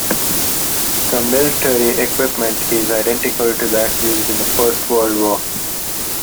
The military equipment is identical to that used in the First World War.